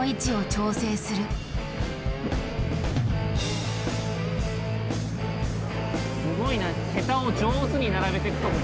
すごいな。